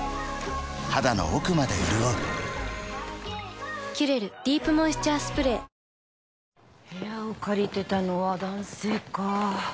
肌の奥まで潤う「キュレルディープモイスチャースプレー」部屋を借りてたのは男性か。